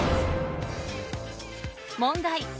問題。